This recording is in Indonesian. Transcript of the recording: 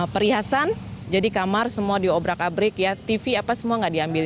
perhiasan jadi kamar semua diobrak abrik ya tv apa semua nggak diambil